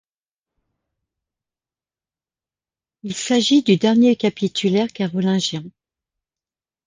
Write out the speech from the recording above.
Il s'agit du dernier capitulaire carolingien.